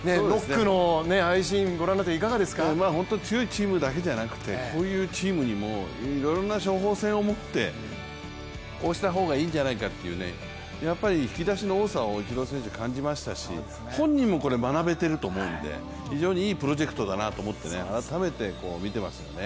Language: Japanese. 本当に強いチームだけじゃなくて、こういうチームにもいろいろな処方箋を持ってこうした方がいいんじゃないかっていうね、引き出しの多さをイチローさん感じましたし本人も学べていると思うので非常にいいプロジェクトだなと、改めて見ていますよね。